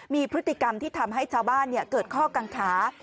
มีพฤติกรรมที่ทำให้ชาวบ้านเกิดข้อกังขา